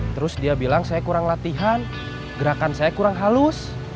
terus dia bilang saya kurang latihan gerakan saya kurang halus